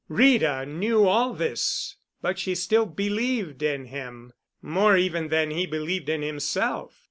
Rita knew all this, but she still believed in him—more even than he believed in himself.